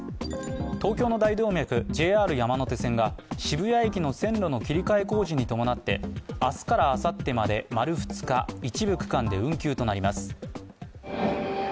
東京の大動脈、ＪＲ山手線が渋谷駅の線路の切り替え工事に伴って明日からあさってまで、丸２日、一部区間で運休となります。